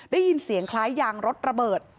ได้ยินเสียงคล้ายยางรถระเบิด